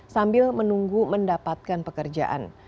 sambil menunggu mendapatkan pekerjaan